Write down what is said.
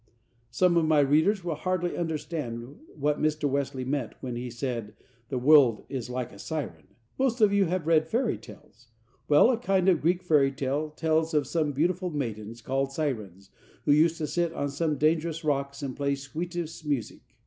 Some of my readers will hardly understand what Mr. Wesley meant when he said the world is "like a siren." Most of you have read fairy tales; well, a kind of Greek fairy story tells of some beautiful maidens, called sirens, who used to sit on some dangerous rocks, and play sweetest music.